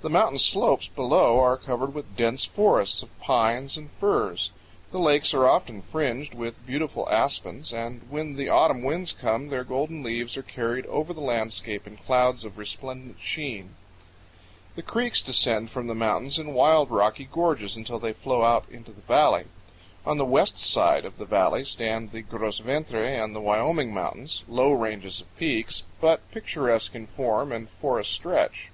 The mountain slopes below are covered with dense forests of pines and firs. The lakes are often fringed with beautiful aspens, and when the autumn winds come their golden leaves are carried over the landscape in clouds of resplendent sheen. The creeks descend from the mountains in wild rocky gorges, until they flow out into the valley. On the west side of the valley stand the Gros Ventre and the Wyoming mountains, low ranges of peaks, but picturesque in form and forest stretch.